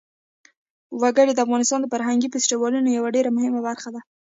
وګړي د افغانستان د فرهنګي فستیوالونو یوه ډېره مهمه برخه ده.